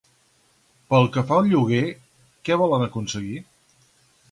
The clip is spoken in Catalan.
Pel que fa al lloguer, què volen aconseguir?